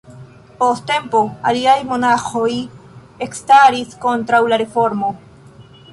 Post tempo, aliaj monaĥoj ekstaris kontraŭ la reformo.